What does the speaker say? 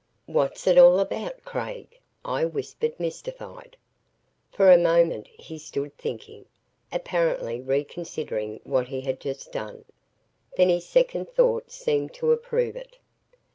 "What's it all about, Craig?" I whispered, mystified. For a moment he stood thinking, apparently reconsidering what he had just done. Then his second thought seemed to approve it.